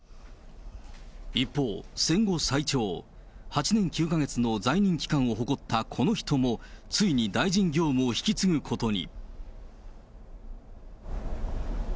一方、戦後最長、８年９か月の在任期間を誇ったこの人も、ついに大臣業務を引き継ぐことに。